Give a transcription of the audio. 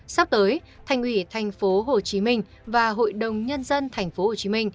sắp tới thành ủy tp hcm và hội đồng nhân dân tp hcm